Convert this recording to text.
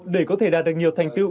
để có thể đạt được nhiều thành tựu